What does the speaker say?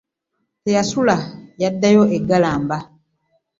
Teyasula yaddayo e Galamba.